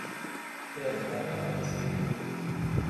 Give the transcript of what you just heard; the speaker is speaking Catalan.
Tira't a terra i roda sobre tu mateix.